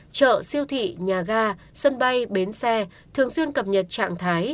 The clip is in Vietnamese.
chợ siêu thị nhà ga sân bay bến xe thường xuyên cập nhật trạng thái